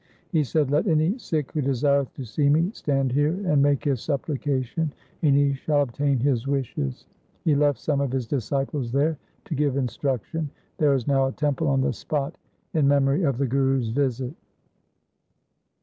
He said, ' Let any Sikh who desireth to see me stand here and make his supplication, and he shall obtain LIFE OF GURU HAR KRISHAN 321 his wishes.' He left some of his disciples there to give instruction. There is now a temple on the spot in memory of the Guru's visit.